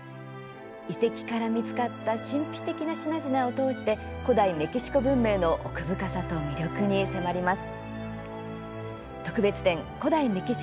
遺跡から見つかった神秘的な品々を通して古代メキシコ文明の奥深さと魅力に迫ります。